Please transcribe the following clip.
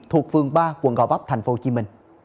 thuộc phương ba quận gò vấp tp hcm